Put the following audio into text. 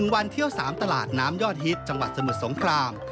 วันเที่ยว๓ตลาดน้ำยอดฮิตจังหวัดสมุทรสงคราม